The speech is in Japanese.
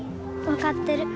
分かってる。